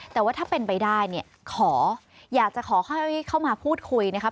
แต่ว่าถ้าเป็นไปได้เนี่ยขออยากจะขอค่อยเข้ามาพูดคุยนะครับ